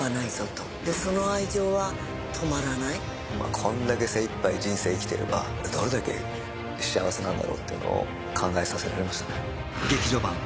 こんだけ精いっぱい人生生きてればどれだけ幸せなんだろうってのを考えさせられましたね。